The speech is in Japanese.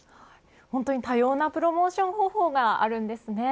本当に多様なプロモーション方法があるんですね。